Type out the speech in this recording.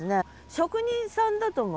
職人さんだと思う？